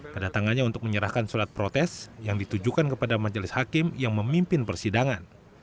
kedatangannya untuk menyerahkan surat protes yang ditujukan kepada majelis hakim yang memimpin persidangan